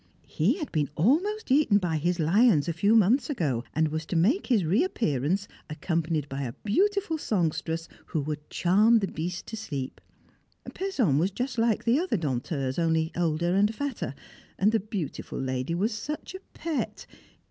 He had been almost eaten by his lions a few months ago, and was to make his reappearance accompanied by a beautiful songstress who would charm the beasts to sleep. Pezon was just like the other Dompteurs, only older and fatter, and the beautiful lady was such a pet!